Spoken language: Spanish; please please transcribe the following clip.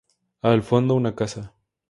Al fondo una casa.